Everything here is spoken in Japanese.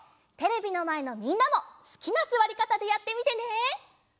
テレビのまえのみんなもすきなすわりかたでやってみてね！